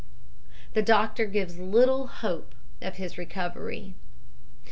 The doctor gives little hope of his recovery.